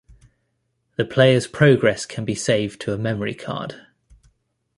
The player's progress can be saved to a memory card.